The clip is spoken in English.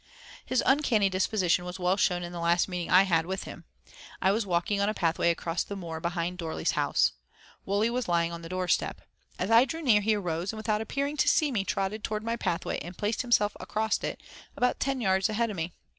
His uncanny disposition was well shown in the last meeting I had with him. I was walking on a pathway across the moor behind Dorley's house. Wully was lying on the doorstep. As I drew near he arose, and without appearing to see me trotted toward my pathway and placed himself across it about ten yards ahead of me.